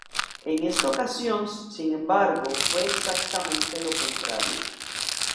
En esta ocasión, sin embargo, fue exactamente lo contrario.